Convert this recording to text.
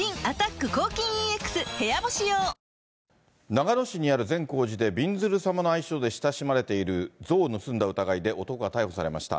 長野市にある善光寺でびんずる様の愛称で親しまれている像を盗んだ疑いで、男が逮捕されました。